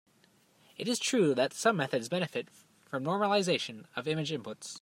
It is true that some methods benefit from normalization of image inputs.